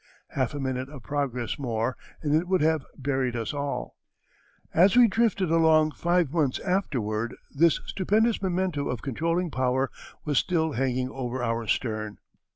Half a minute of progress more and it would have buried us all. As we drifted along five months afterward this stupendous memento of controlling power was still hanging over our stern."